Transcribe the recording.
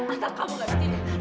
asal kamu tidak ke sini